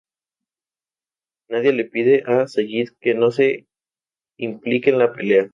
Nadia le pide a Sayid que no se implique en la pelea.